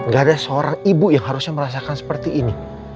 gak ada seorang ibu yang harusnya merasakan seperti ini